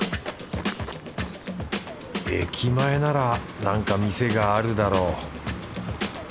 駅前なら何か店があるだろう